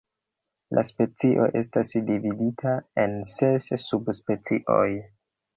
La specio estas dividita en ses subspecioj.